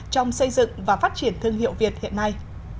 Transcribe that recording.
trong xây dựng và phát triển thương hiệu việt hiện nay